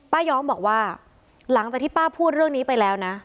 ย้อมบอกว่าหลังจากที่ป้าพูดเรื่องนี้ไปแล้วนะ